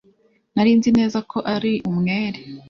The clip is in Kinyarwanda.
nari nzi neza ko ari umwere